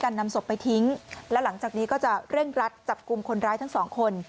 แล้วหลังจากนี้ก็จะเร่งรัดจับกลุ่มคนร้ายทั้งสองคน